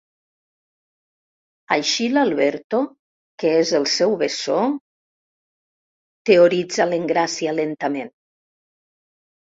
Així l'Alberto, que és el seu bessó... –teoritza l'Engràcia lentament.